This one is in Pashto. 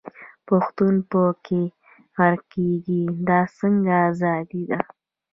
پښتون په کښي غرقېږي، دا څنګه ازادي ده.